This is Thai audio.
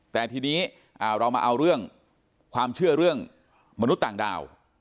แต่ทีนี้เรามาเอาเรื่องความเชื่อเรื่องมนุษย์ต่างดาว